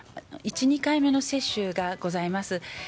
１、２回目の接種がございます。